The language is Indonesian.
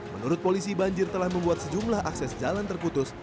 menurut polisi banjir telah membuat sejumlah akses jalan terputus